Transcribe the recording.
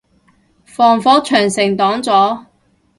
防火長城擋咗